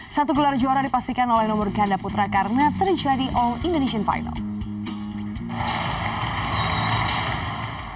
satu gelar juara dipastikan oleh nomor ganda putra karena terjadi all indonesian final